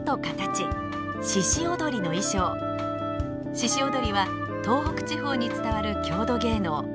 鹿踊は東北地方に伝わる郷土芸能。